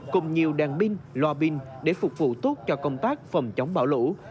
cùng nhiều đàn pin loa pin để phục vụ tốt cho công tác phòng chống bão lũ